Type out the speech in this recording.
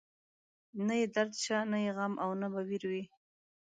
نه يې درد شته، نه يې غم او نه به وير وي